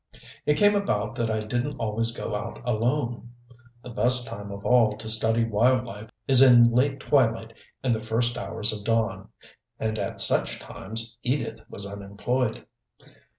It came about that I didn't always go out alone. The best time of all to study wild life is in late twilight and the first hours of dawn and at such times Edith was unemployed.